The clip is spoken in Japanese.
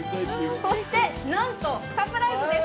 そしてなんとサプライズです。